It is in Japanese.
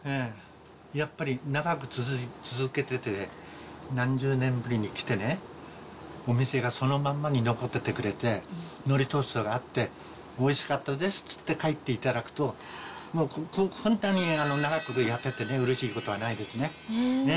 やっぱり長く続けてて、何十年ぶりに来てね、お店がそのまんまに残っててくれて、のりトーストがあって、おいしかったですって言って帰っていただくと、もう本当に長くやっててうれしいことはないですね。